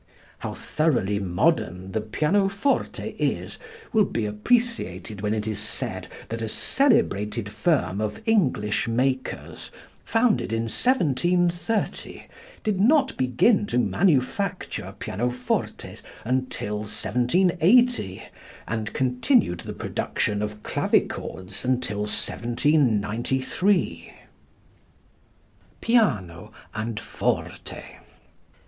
How thoroughly modern the pianoforte is will be appreciated when it is said that a celebrated firm of English makers founded in 1730 did not begin to manufacture pianofortes until 1780 and continued the production of clavichords until 1793. Piano and Forte.